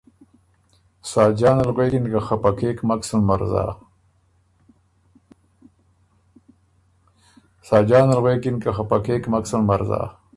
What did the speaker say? ساجان ال غوېکِن که ”خپه کېک مک سُن مرزا